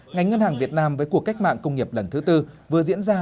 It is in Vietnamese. ngành ngân hàng việt nam với cuộc cách mạng công nghiệp lần thứ tư vừa diễn ra